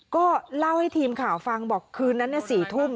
ก็เล่าให้ทีมข่าวฟังบอกคืนนั้น๔ทุ่ม